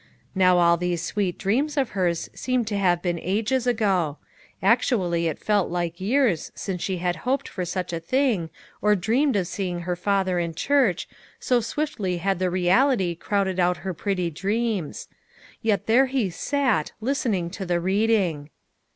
Now all these sweet dreams of hers seemed to have been ages ago ; actually it felt like years since she had hoped for such a thing, or dreamed of seeing her father in church, so swiftly had THE LITTLE PICTURE MAKERS. 249 the reality crowded out her pretty dreams. Yet there he sat, listening to the reading.